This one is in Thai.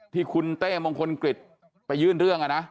ที่คุณเต้มงคลกฤษไปยื่นเรื่อง